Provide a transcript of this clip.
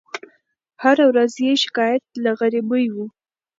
هره ورځ یې شکایت له غریبۍ وو